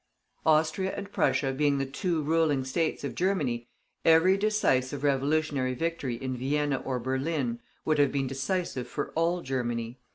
Austria and Prussia being the two ruling states of Germany, every decisive revolutionary victory in Vienna or Berlin would have been decisive for all Germany.